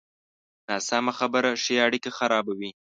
ناسمه خبره ښې اړیکې خرابوي.